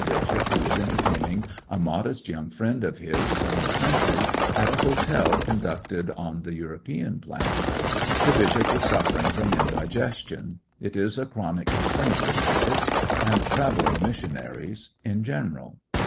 '^ bishop who was entertaining a modest young 152 Missionary in tfie Great West friend of his from the country at a hotel con ducted on the European plan. The bishop was suffering from indigestion. It is a chronic complaint with bishops and traTelling mis sionaries in general.